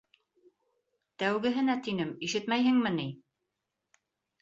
Тәүгеһенә, тинем, ишетмәйһеңме ни?